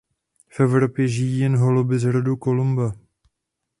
V Evropě žijí jen holubi z rodu "Columba".